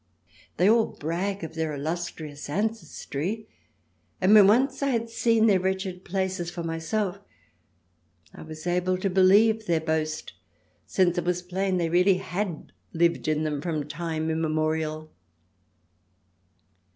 They all brag of their illustrious ancestry, and when once I had seen their wretched places for myself I was able to believe their boast, since it was plain they really had lived in them from time immemorial.